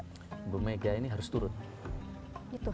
ibu mega ini harus turun